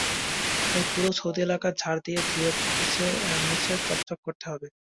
তাই পুরো সৌধ এলাকা ঝাড় দিয়ে, ধুয়ে মুছে চকচকে করতে হবে।